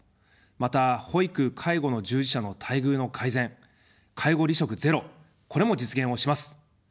また、保育・介護の従事者の待遇の改善、介護離職ゼロ、これも実現をします。